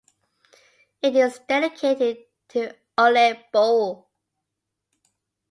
It is dedicated to Ole Bull.